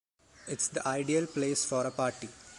It’s the ideal place for a party.